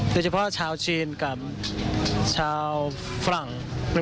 โดยเฉพาะชาวจีนกับชาวฝรั่ง